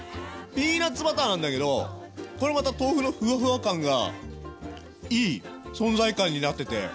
ピーナツバターなんだけどこれまた豆腐のふわふわ感がいい存在感になってて。